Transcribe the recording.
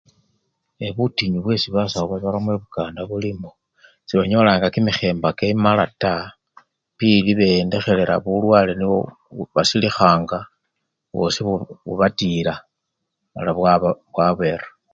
Ee! butinyu bwesi basawu babiramo ibukanda buli mbo, sebanyolanga kimikhemba kimala taa, pili be-endekhelela bulwale nibwo basilikhanga bosii bo! bubatila mala bwabera.